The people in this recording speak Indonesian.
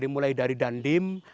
mulai dari danlim